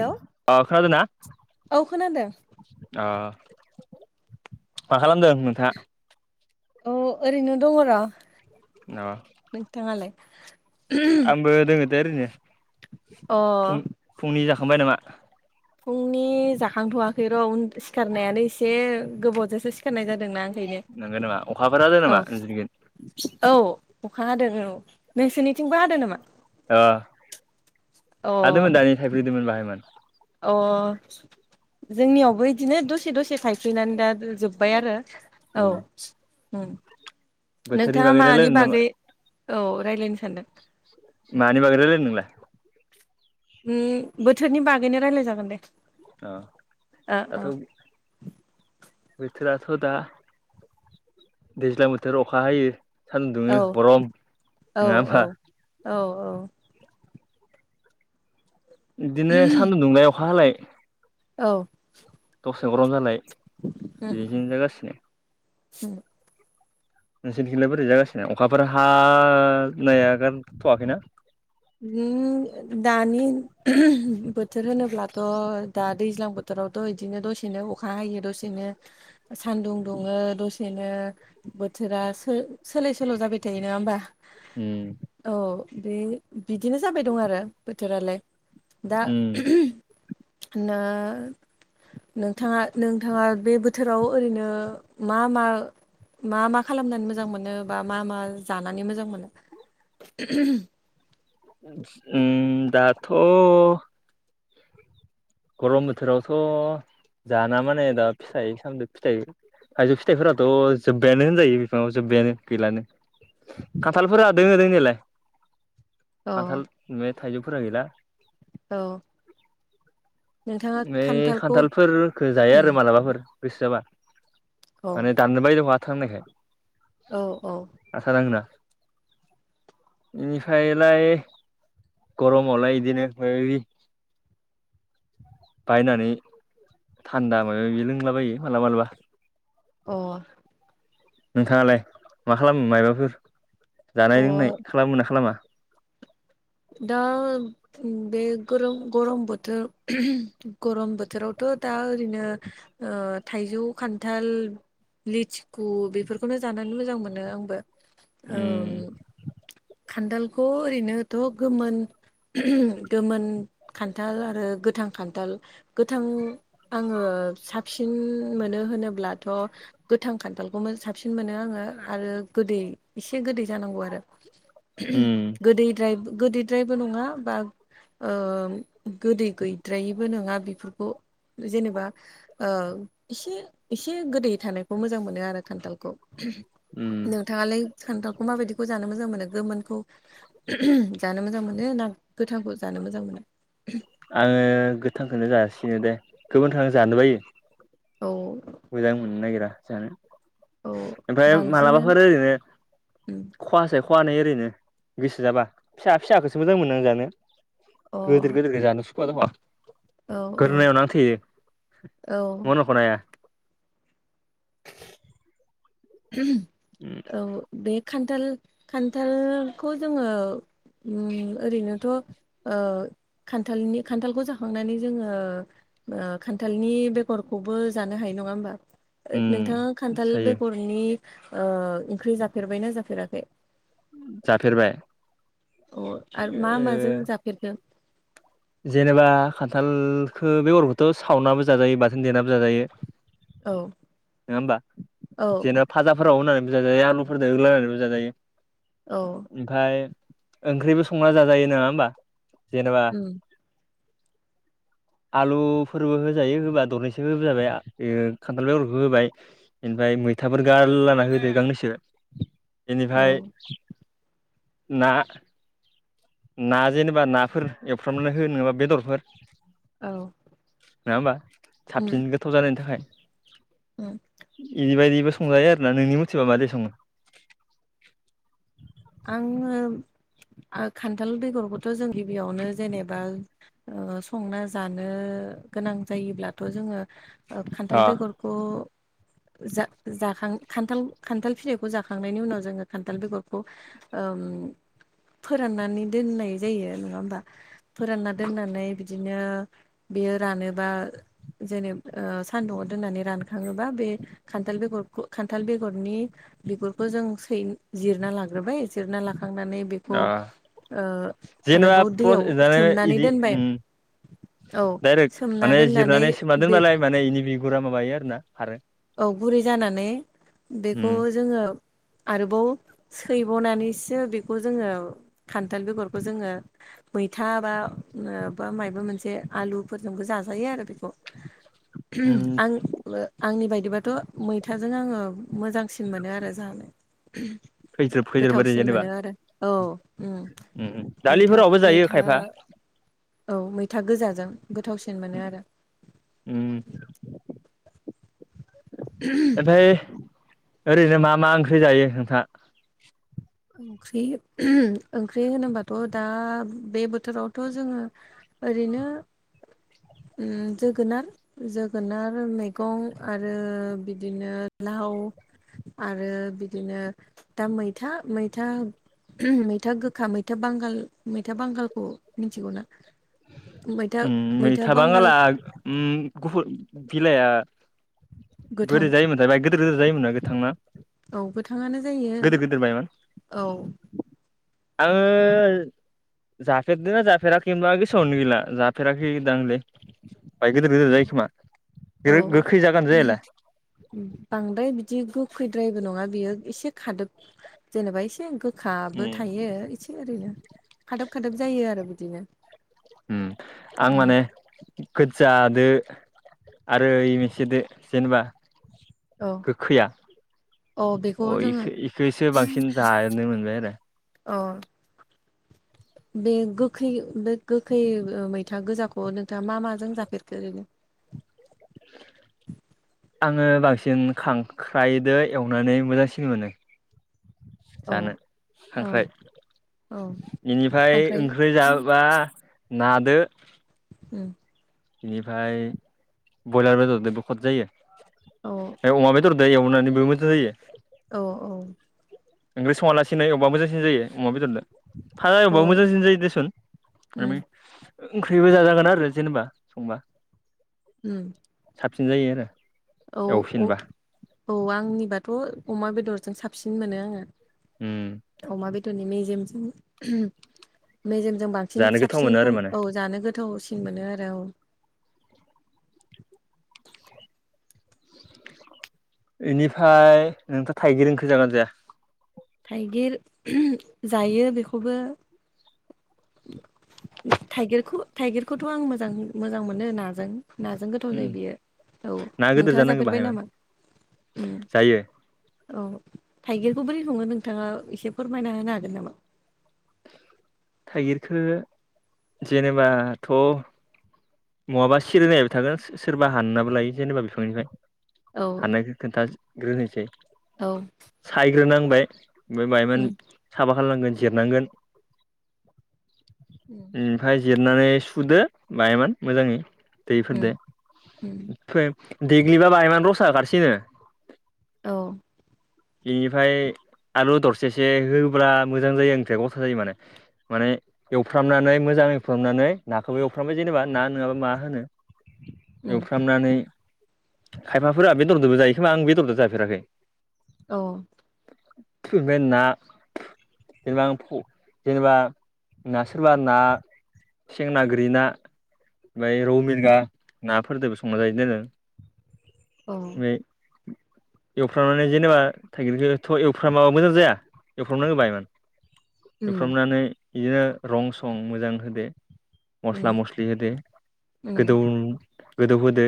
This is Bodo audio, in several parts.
हेल' अ खोनादोंना? औ खोनादों ओ‌ मा खालामदों नोंथाङा? अ ओरैनो दङ र'। अ नोंथाङालाय? आंबो दोङो दे ओरैनो। अ फुं-फुंनि जाखांबाय नामा? फुंनि जाखांथ'वाखै र' सिखारनायानो एसे गोबावजोंसो सिखारनाय जादों ना। नंगौ नामा अखाफोरा हादों नामा नोंसोरनिथिं? औ अखा हादों औ नोंसोरनिथिंबो हादों नामा? आ अ हादोंमोन दानि थाइफ्रिदोंमोन बाहायमोन। अ जोंनियावबो इदिनो दसे दसे थायफ्रिनानै दा जोब्बाय आरो उम औ उम बोथोरनि नोंथाङा बागै मानि रायलायनो नामा बागै औ रायलायनो सानदों मानि बागै रायलायनो नोंलाय? उम बोथोरनि बागैनो रायलाय जागोन दे। आ दाथ' बोथोराथ' दा दैज्लां बोथोर अखा हायो सान्दुं दुङो ओ गरम औ नङा होनबा औ औ इदिनो सानदुं दुंलाय अखा हालाय औ दसे गरम जालाय उम बेदिनो जागासिनो। [inaudible] नोंसोरनिथिंलाय बोरै जागासिनो अखाफोर हा नाया गारथ'वाखैना? दानि बोथोर होनोब्लाथ' दा दैज्लां बो थोरावथ' इदिनो दसेनो अखा हायो दसेनो सान्दुं दुङो दसेनो बोथोरा सो-सोलाय सोल' जाबाय थायो नंङा होमबा उम औ बे बिदिनो जाबाय दं आरो बोथोरालाय दा उम ना नोंथाङा नोंथाङा बे बोथोराव ओरैनो मा मा मा मा खालामनानै मोजां मोनो बा मा मा जानानै मोजां मोनो। उम दाथ' गरम बोथोरावथ' जाना माने दा फिथाइ सामदो फिथाइ थाइजौ फिथाइफोराथ' जोब्बायानो होनजायो बिफाङाव जोब्बायानो गैलानो खान्थालफोरा दोंङो दोंनायालाय औ खान्थाल बे थाइजौफोरा गैला औ नोंथाङा नै खान्थालखौ खान्थालफोरखो जायो आरो उम, मालाबाफोर गोसो जाबा। औ माने दाननो बायो आथा नांनायखाय औ औ आथा नांङोना इनिफ्रायलाय गरमावलाय इदिनो फाय रि बायनानै थान्दा मोनो बिदि लोंलाबायो मालाबा मालाबा अ नोंथाङालाय मा खालामो मायबाफोर अ जानाय लोंनाय खालामो ना खालामा? दा बे गरम गरम बोथोर गरम बोथोरावथ' दा ओरैनो ओ थाइजौ खान्थाल लिथिखु बेफोरखौनो जानानै मोजां मोनो आंबो ओं उम खान्थालखौ ओरैनोथ' गोमोन गोमोन खान्थाल आरो गोथां खान्थाल गोथां आङो साबसिन मोनो होनोब्लाथ' गोथां खान्थालखौनो साबसिन मोनो आङो आरो गोदै एसे गोदै जानांगौ आरो उम गोदैद्राय गोदैद्रायबो नङा बा ओ गोदै गैद्रायैबो नङा बेफोरखौ जेनेबा ओ एसे एसे गोदै थानायखौ मोजां मोनो आरो खान्थालखौ। उम नोंथाङालाय खान्थालखौ माबायदिखौ जानो मोजां मोनो? गोमोनखौ जानो मोजां मोनो ना गोथांखौ जानो मोजां मोनो आंङो गोथांखौनो जासिनो दे गोमोनखौ आं जानो बायो औ मोजां मोननो नागिरा जानो औ ओमफ्राय बांसिनानो मालाबाफोर ओरैनो उम खहासे खहानै ओरैनो ओरैनो फिसा फिसाखौसो मोजां मोनो आं जानो अ गोदोर गोदोर जानो सुखुआ दख' औ औ गोरनायाव नांथेहैयो औ मन'खनो हाया [unintelligible] [unintelligible] औ बे खान्थाल खान्थालखौ जोंङो। उम ओरैनोथ' ओ खान्थालनि खान्थालखौ जाखांनानै जोंङो। ओ खान्थालनि बेगरखौबो जानो हायो नंङा होमबा उम नोंथांङा खान्थाल जायो बेगरनि ओ ओंख्रि जाफेरबायना जाफेराखै जाफेरबाय अ आरो ओ मा माजों जाफेरखो जेनेबा खान्थालखो बेगरखोथ' सावनाबो जाजायो बाथोन देनाबो जाजायो। औ नंङा होमबा औ जेन' भाजाफोराव होनानैबो जाजायो आलुफोरजों होलानानैबो जाजायो। औ ओमफाय ओंख्रिबो संना जाजायो नंङा होमबा जेनेबा [unintelligible] आलुफोरबो होजायो होबा दरनैसो होजानाय खान्थाल बेगरखौ होबाय इनिफ्राय मैथाफोर गार्लाना होदो गांनैसो औ बेनिफाय ना ना जेनेबा नाफोर एवफ्रामनानै हो नंङाबा बेदरफोर औ नंङा होमबा उम साबसिन गोथाव जानायनि उम थाखाय इदिबायायदिबो संजायो आरोना नोंनि मिथिबा मादै संङो आंङो खान्थाल बेगरखौथ' जों गिबियावनो जेनेबा ओ संना जानो गोनां जायोब्लाथ' जोङो अ खान्थाल बेगर अ जा-जाखां खान्थाल खान्थाल फिथाइखौ जाखांनायनि उनाव जोंङो खान्थाल बेगर खौ ओम फोराननानै दोननाय जायो नंङा ओमबा फोरानना दोननानै बिदिनो बेयो रानोबा जेने ओ सान्दुंआव दोननानै रानखांङोबा बे खान्थाल बेगरखौ खान्थाल बेगरनि बिगुरखौ जों सै जिर ना लाग्रोबाय जिरना लाखांनानै बेखौ अ ओ जेनेबा आरोबाव दैयाव सोमनानै इदि दोनबाय। उम औ डाइरेक्ट सोमना माने दोननानै जिरनानै सोमना बे दोनबालाय माने इनि बिगुरा माबायो आरो ना खारो औ गुरै जानानै उम बेखौ जोंङो। आरोबाव सैबावनानैसो बेखौ जोंङो खान्थाल बेगरखौ जोंङो। मैथा बा बा मायबा मोनसे आलुफोरजोंबो जाजायो आरो बेखौ उम आं आंनि बाय बाथ' मैथाजों आंङो मोजांसिन मोनो आरो जानो खैज्रोब खैज्रोब ओरै गोथावसिन जेनेबा मोनो आरो औ ओम उम मैथा दालिफोरावबो जायो मैथा खायफा औ मैथा गोजाजों गोथावसिन मोनो आरो ओम नाथाय ओरैनो मा मा ओंख्रि जायो नोंथांआ ओंख्रि ओंख्रि होनोबाथ' दा बे बोथोरावथ' जोंङो। ओरैनो ओम जोगोनार जोगोनार मैगं आरो बिदिनो लाव आरो बिदिनो दा मैथा मैथा मैथा गोखा मैथा बांगाल मैथा बांगालखौ मिथिगौ ना? उम मैथा बांगाला उम गुफुर बिलाइआ गोथां बोरै जायोमोनथाय बाइ गोदोर गोदोर जायोमोना आरो गोथांनो औ गोथाङानो जायो औ। आङो जाफेरदों ना जाफेराखैबा गोसोआवनो गैला। जाफेराखैदांलै बाय गिदिर गिदिर जायोखोमा। औ औ। बांद्राय बिदि गोखैद्रायबो नङा बियो एसे खादोब जेनेबा एसे गोखाबो उम थायो एसे ओरैनो खादोब खादोब जायो आरो बिदिनो। उम आं उम माने खोजादो आरो इ मोनसेदो जेनेबा औ गोखैया। औ बेखौ अ जोङो इखो इखौसो बांसिन जानो मोनबाय आरो। अह अह बे गोखै बे गोखै मैथा गोजाखौ नोंथाङा मा माजों जाफेरखो ओरैनो? आङो बांसिन खांख्राइदो एवनानै मोजांसिन मोनो। औ जानो औ खांख्राइ औ बेनिफ्राय खांख्राइ ओंख्रि जाहोब्ला नादो उम बेनिफ्राय बयलार बेदरजोंबो खद जायो। औ ओमफ्राय अमा बेदरदो एवनानै मोजां जायो। औ औ। ओंख्रि संङालासिनो एवबा मोजांसिन जायो अमा बेदरदो। औ फाजाबो मोजांसिन जायो देसन उम ओंख्रिबो जा जागोन आरो जेनेबा संबा। उम। साबसिन जायो आरो औ एवफिनबा औ आंनिबाथ' अमा बेदरजों साबसिन मोनो आङो उम अमा बेदरनि मेजेमजों मेजेमजों बांसिन जानो गोथाव मोनो साबसिनखौ आरो माने औ जानो गोथावसिन मोनो आरो औ। बेनिफ्राय नोंथ' थाइगिर ओंख जागोन जाया? थाइगिर जायो बेखौबो थाइगिरखौ थाइगिरखौथ' आं मोजां मोजां मोनो नाजों। नाजों गोथाव उम जायो बियो औ ना गिदिर नोंथाङा जानांगौ जाफेरबाय बाहायमोन नामा? उम जायो। औ थाइगिरखौ बोरै सङो नोंथाङा एसे फोरमायना होनो हागोन नामा? थाइगिरखो जेनेबाथ' नङाबा सिरि नायबाय थागोन सोरबा हाननाबो लायो जेनेबा बिफांनिफ्राय औ हानायखो खोन्थाग्रोनोसै औ। सायग्रोनांबाय ओमफ्राय मायमान उम साफा खालामनांगोन जिरनांगोन। ओमफ्राय जिरनानै सुदो बायामोन मोजाङै। उम दैफोरदो उम ओमफ्राय देग्लिबाबा इमान रसा हो ओंखारसिनो। औ। बेनिफ्राय आलु दरसेसे होब्ला मोजां जायो ओंख्रिया गथा जायो माने। माने एवफ्रामनानै मोजां एवफ्रामनानै नाखौबो एवफ्रामबाय जेनेबा ना नोङाबा मा होनो उम एवफ्रामनानै खायफाफोरा बेदरदोबो जायो खोमा आं बेदरदो जाफेराखै। औ बेना जेनेबा आं फ जेनेबा ना सोरबा ना सें ना, गोरि ना माय रौ, मिरगा नाफोरदोबो संना जायोदेनो औ माय [inaudible] एवफ्रामनानै जेनेबा थाइगिरखौथ एवफ्रामाबा मोजां जाया। एवफ्रावनांगौ बायमोन उम एफ्रामनानै इयो रं सं मोजां होदो उम मस्ला मस बे उम होदो गोदौ गोदौ होदो।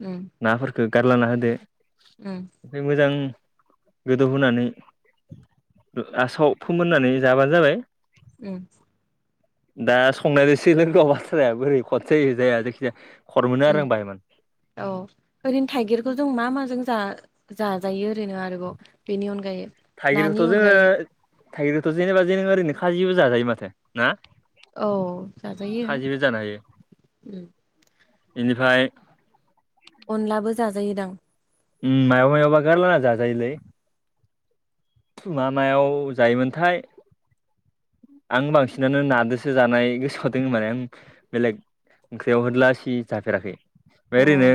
उम नाफोरखो गारलाना होदो। उम ओ मोजां गोदौ होनानै ओ लासाव फोमोननानै जाबानो जाबाय। उम दा संनायनोसै लोगौ बाथ्राया बोरै खद जायो जाया जायखिजाया खर मोनो उम आरो आं बायमोन। औ ओरैनो थाइगिरखौ जों मा माजों जा जाजायो ओरैनो आरोबाव बेनि अनगायै। नानि थाइगिरखौथ जोंङो अनगायै थाइगिरखौथ' जेनेबा जों ओरैनो खाजिबो जाजायो माथो ना। औ जाजायो खाजिबो जानो हायो। उम एनिफाय अनलाबो जाजायो दां। उम मायावबा मायावबा गारलाना जा जायो लै। मा मायाव जायोमोनथाय आं बांसिनानो नादोसो जानाय गोसोआव दों माने उम बेलेग ओंख्रियाव होदलासि जाफेराखै। फाय अ ओरैनो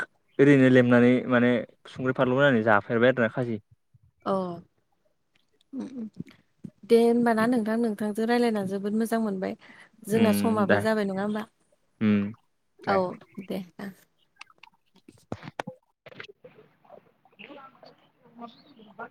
खा ओरैनो लेमनानै माने संख्रि, फानलु होननानै जाफेरबाय आरो ना खाजि। अ' दे होमबाना नोंथां नोंथांजों रायलायना जोबोद मोजां मोनबाय। उम जोंना समाबो दा जाबाय नङा होमबा? उम दे औ दे ओ [inaudible] [unintelligible]